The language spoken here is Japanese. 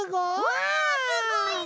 わあすごいね！